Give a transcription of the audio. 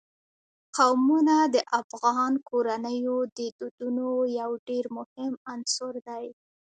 قومونه د افغان کورنیو د دودونو یو ډېر مهم عنصر دی.